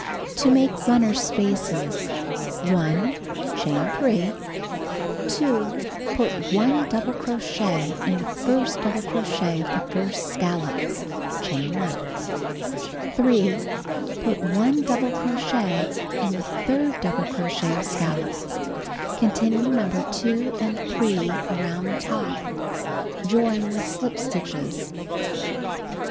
To Make Runner Spaces: 1. Chains. 2. Put 1 double crochet in the first double crochet of the first scallop. Chain 1. 3. Put 1 double crochet in the third double crochet of scallop. Continue No. 2 and 3 around top. Join with slip stitches.